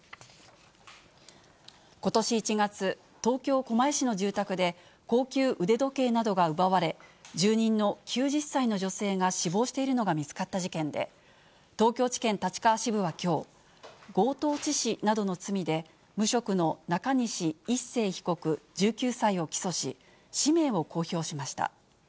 ことし１月、東京・狛江市の住宅で、高級腕時計などが奪われ、住人の９０歳の女性が死亡しているのが見つかった事件で、東京地検立川支部はきょう、強盗致死などの罪で無職の中西一晟被告１９歳を起訴し、氏名を公表しました。